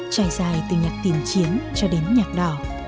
trải dài từ nhạc tiền chiến cho đến nhạc đỏ